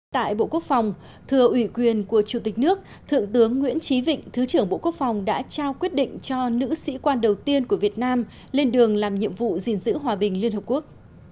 tại bộ quốc phòng thừa ủy quyền của chủ tịch nước thượng tướng nguyễn trí vịnh thứ trưởng bộ quốc phòng đã trao quyết định cho nữ sĩ quan đầu tiên của việt nam lên đường làm nhiệm vụ gìn giữ hòa bình liên hợp quốc